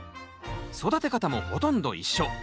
育て方もほとんど一緒。